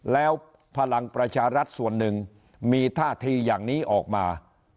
แล้วพลังประชารัฐส่วนหนึ่งมีท่าทีอย่างนี้ออกมา